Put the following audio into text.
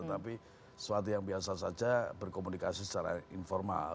tetapi suatu yang biasa saja berkomunikasi secara informal